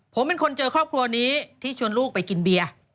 ผมเป็นคนเจอครอบครัวนี้ที่ชวนลูกไปกินเบียร์